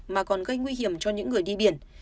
mà còn gây nguy hiểm cho những người đi biển